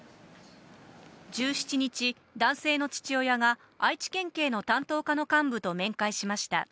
１７日、男性の父親が愛知県警の担当課の幹部と面会しました。